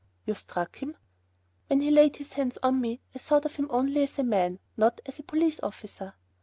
"You struck him?" "When he laid his hands on me I thought of him only as a man, not as a police officer."